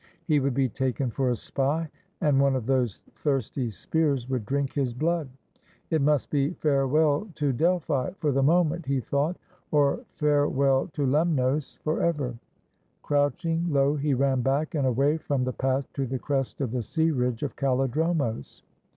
He would be taken for a spy, and one of those thirsty spears would drink his blood. It must be farewell to Del phi for the moment, he thought, or farewell to Lemnos lOO THE LEMNIAN: A STORY OF THERMOPYLAE forever. Crouching low, he ran back and away from the path to the crest of the sea ridge of Kallidromos.